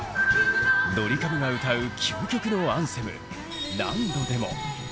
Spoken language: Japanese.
ドリカムが歌う究極のアンセム「何度でも」。